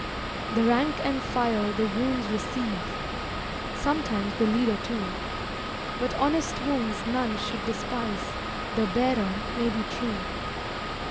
The "rank and file" the wounds receive; Sometimes the leader, too; But honest wounds none should despise; The bearer may be true.